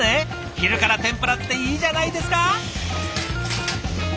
昼から天ぷらっていいじゃないですか！